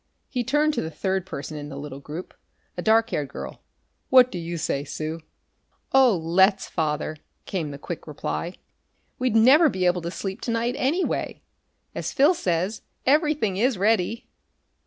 He turned to the third person in the little group, a dark haired girl. "What do you say, Sue?" "Oh, let's, Father!" came the quick reply. "We'd never be able to sleep to night, anyway. As Phil says, everything is ready."